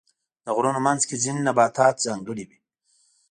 د غرونو منځ کې ځینې نباتات ځانګړي وي.